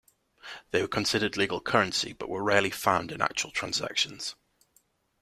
They were considered legal currency, but were rarely found in actual transactions.